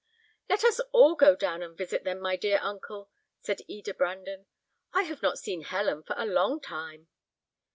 "Let us all go down and visit them, my dear uncle," said Eda Brandon. "I have not seen Helen for a long time."